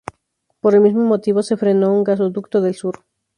Por el mismo motivo se frenó un Gasoducto del Sur.